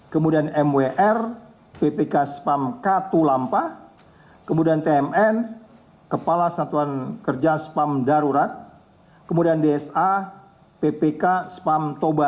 kemudian mwr ppk spam katulampa kemudian tmn kepala satuan kerja spam darurat kemudian dsa ppk spam toba